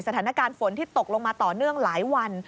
สถานการณ์ฝนที่ตกลงมาต่อเนื่องหลายวัน